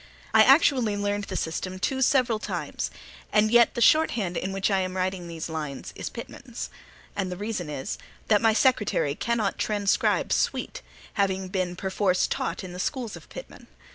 I actually learned the system two several times; and yet the shorthand in which I am writing these lines is Pitman's. And the reason is, that my secretary cannot transcribe Sweet, having been perforce taught in the schools of Pitman.